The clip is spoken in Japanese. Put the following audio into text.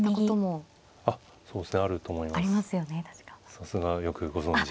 さすがよくご存じ。